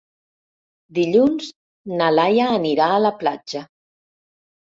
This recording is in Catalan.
Dilluns na Laia anirà a la platja.